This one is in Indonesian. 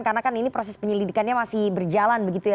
karena kan ini proses penyelidikannya masih berjalan begitu ya